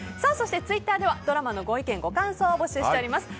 ツイッターではドラマのご意見、ご感想を募集しております。